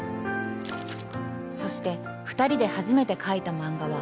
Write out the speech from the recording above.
そして２人で初めて描いた漫画は